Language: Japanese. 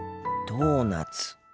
ドーナツ。